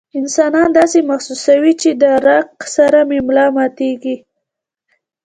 انسان داسې محسوسوي چې د ړق سره مې ملا ماتيږي